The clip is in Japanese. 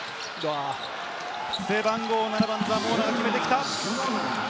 背番号７番、ザモーラが決めてきた。